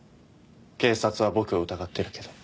警察は僕を疑ってるけど。